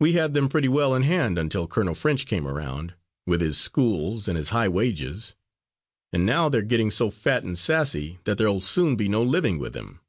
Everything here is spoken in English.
We had them pretty well in hand until Colonel French came around, with his schools, and his high wages, and now they are getting so fat and sassy that there'll soon be no living with them.